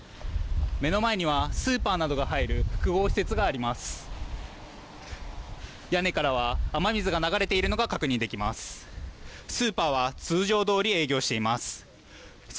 目の前にはスーパーなどが入る複合施設があります。